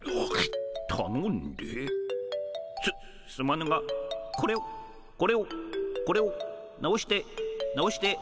すすまぬがこれをこれをこれを直して直して。